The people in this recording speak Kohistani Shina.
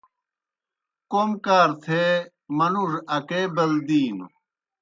کوْم کار تھے منُوڙوْ اکے بَلدِینوْ۔